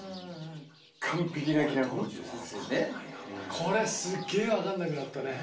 これすげえわかんなくなったね。